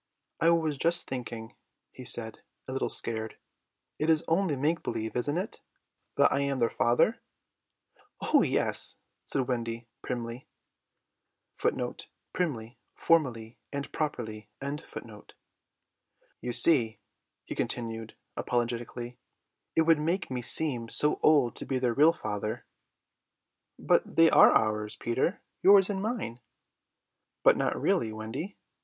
"I was just thinking," he said, a little scared. "It is only make believe, isn't it, that I am their father?" "Oh yes," Wendy said primly. "You see," he continued apologetically, "it would make me seem so old to be their real father." "But they are ours, Peter, yours and mine." "But not really, Wendy?"